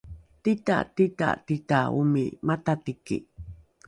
tita tita tita omi matatiki